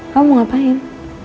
kamu mau ngapain